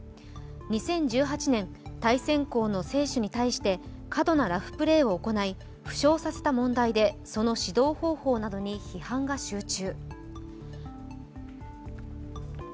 ２０１８年対戦校の選手に対して過度なラフプレーを行い、負傷された問題でその指導方法などに批判が集中。